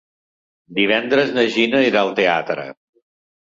Divendres na Gina irà al teatre.